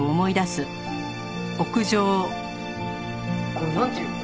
これなんていうの？